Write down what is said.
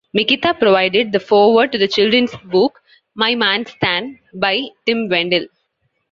Mikita provided the foreword to the children's book "My Man Stan" by Tim Wendel.